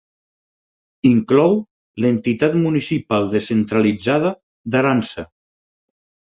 Inclou l'entitat municipal descentralitzada d'Arànser.